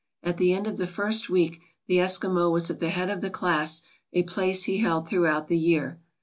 At the end of the first week the Eskimo was at the head of the class, a place he held throughout the year.